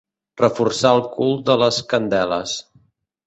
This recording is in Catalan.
Reforçar el cul de les candeles.